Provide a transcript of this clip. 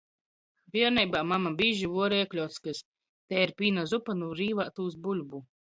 Bierneibā mama bīži vuoreja kļockys, tei ir pīna zupa nu rīvātūs buļbu.